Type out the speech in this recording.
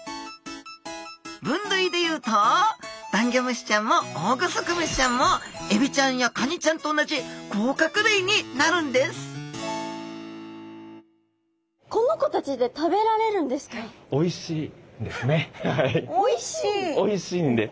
分類で言うとダンギョムシちゃんもオオグソクムシちゃんもエビちゃんやカニちゃんと同じ甲殻類になるんですおいしいんです。